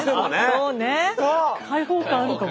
開放感あるかも。